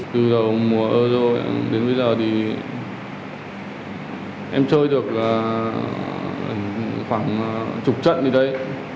từ đầu mùa euro đến bây giờ thì em chơi được khoảng chục trận như đấy